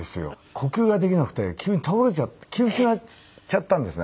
呼吸ができなくて急に倒れちゃって気失っちゃったんですね。